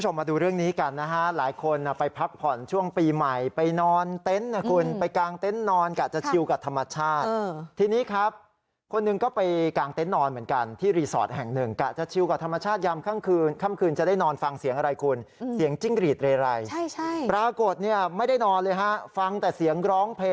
มาดูเรื่องนี้กันนะฮะหลายคนไปพักผ่อนช่วงปีใหม่ไปนอนเต็นต์นะคุณไปกางเต็นต์นอนกะจะชิวกับธรรมชาติทีนี้ครับคนหนึ่งก็ไปกางเต็นต์นอนเหมือนกันที่รีสอร์ทแห่งหนึ่งกะจะชิวกับธรรมชาติยามค่ำคืนค่ำคืนจะได้นอนฟังเสียงอะไรคุณเสียงจิ้งหรีดเรไรใช่ใช่ปรากฏเนี่ยไม่ได้นอนเลยฮะฟังแต่เสียงร้องเพลง